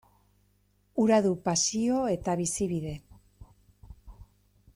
Hura du pasio eta bizibide.